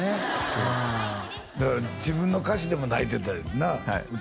そうだから自分の歌詞でも泣いてたいうんなあ？